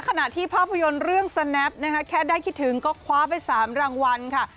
ขณะที่ภาพยนตร์เรื่องสแนปนะคะแค่ได้คิดถึงก็คว้าไป๓รางวัลค่ะ